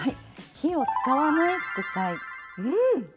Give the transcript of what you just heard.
「火を使わない副菜」。